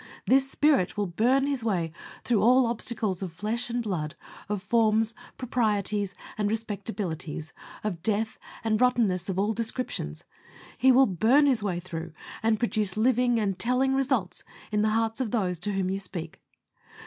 This Spirit will burn His way through all obstacles of flesh and blood, of forms, proprieties, and respectabilities of death, and rottenness of all descriptions! He will burn His way through, and produce living and telling results in the hearts of those to whom you speak.